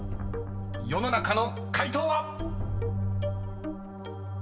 ［世の中の回答は⁉］